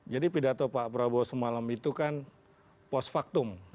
jadi pidato pak prabowo semalam itu kan post factum